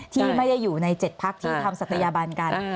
ที่ไม่ได้อยู่ใน๗พักที่ทำศัตยบันกัน